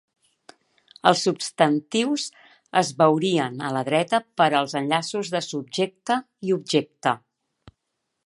Els substantius es veurien a la dreta per als enllaços de subjecte i objecte.